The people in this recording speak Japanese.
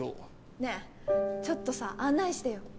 ねぇちょっとさ案内してよ。